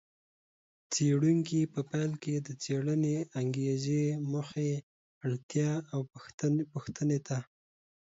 څېړونکي په پیل کې د څېړنې انګېزې، موخې، اړتیا او پوښتنې ته